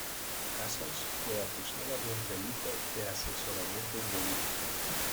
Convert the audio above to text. Casas fue acusada de un delito de asesoramiento indebido.